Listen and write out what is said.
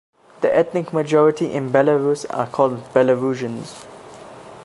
The ethnic majority in Belarus are called Belarusians.